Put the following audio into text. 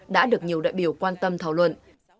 đã được nhiều đại biểu quan tâm thảo luận